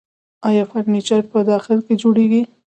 آیا فرنیچر په داخل کې جوړیږي؟